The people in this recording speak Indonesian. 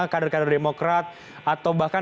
kader kader demokrat atau bahkan